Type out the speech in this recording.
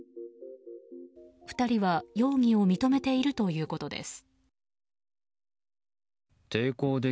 ２人は容疑を認めているということです。